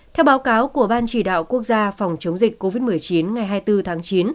theo báo cáo của ban chỉ đạo quốc gia phòng chống dịch covid một mươi chín ngày hai mươi bốn tháng chín